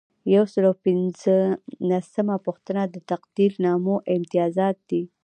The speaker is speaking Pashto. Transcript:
یو سل او پنځلسمه پوښتنه د تقدیرنامو امتیازات دي.